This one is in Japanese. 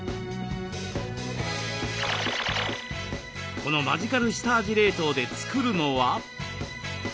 このマジカル下味冷凍で作るのは？